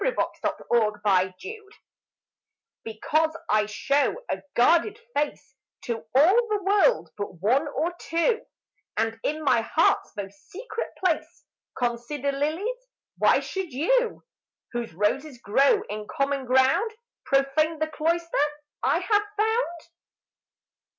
Vigils TO AN INTRUDER Because I show a guarded face To all the world but one or two, And in my heart's most secret place Consider lilies, why should you Whose roses grow in common ground Profane the cloister I have found?